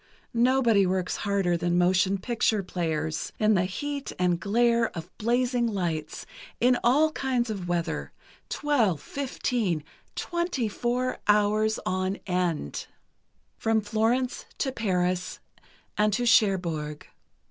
Nobody works harder than motion picture players—in the heat and glare of blazing lights, in all kinds of weather—twelve, fifteen, twenty four hours on end. "From Florence to Paris, and to Cherbourg.